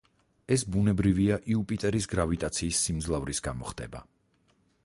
ეს ბუნებრივია, იუპიტერის გრავიტაციის სიმძლავრის გამო ხდება.